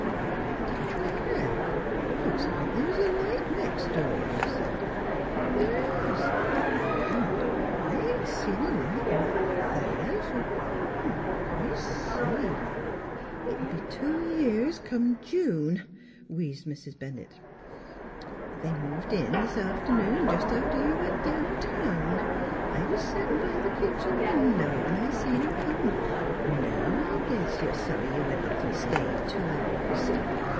" I d'clare, looks like th' was a light next door," 42 NEIGHBORS she said. " The' is ! Land ! I ain't seen a light over there f'r 1' me see "" It'll be two years, come June," wheezed Mrs. Bennett. " They moved in this aft'noon, jes' after you went downtown. I was settin' b' th' kitchen window an' I seen 'em come. Now I guess you're sorry you went off an' stayed two hours.